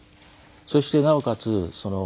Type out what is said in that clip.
そしてなおかつ